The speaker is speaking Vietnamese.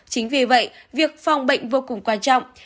chính vì vậy việc phòng bệnh vô cùng quan trọng